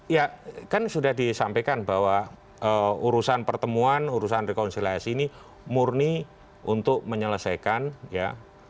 ya kan sudah disampaikan bahwa urusan pertemuan urusan rekonsiliasi ini murni untuk menyelesaikan ya